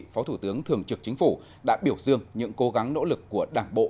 phó thủ tướng thường trực chính phủ đã biểu dương những cố gắng nỗ lực của đảng bộ